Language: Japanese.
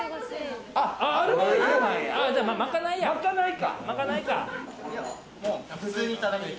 じゃあ、まかないか！